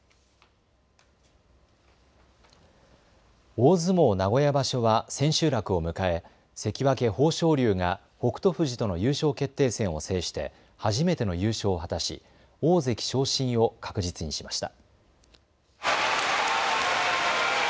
大相撲名古屋場所は千秋楽を迎え関脇・豊昇龍が北勝富士との優勝決定戦を制して初めての優勝を果たし大関昇進を確実にしました。